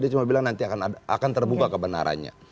dia cuma bilang nanti akan terbuka kebenarannya